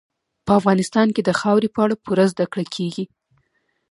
په افغانستان کې د خاورې په اړه پوره زده کړه کېږي.